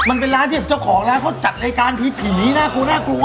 มันเป็นร้านที่เจ้าของร้านเขาจัดรายการผีน่ากลัวน่ากลัว